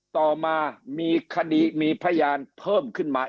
ต่อมามีคดีมีพยานเพิ่มขึ้นมา